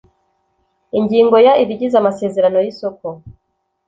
Ingingo ya Ibigize amasezerano y isoko